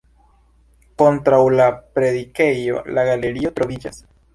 Kontraŭ la predikejo la galerio troviĝas.